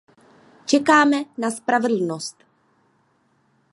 Čekáme na spravedlnost.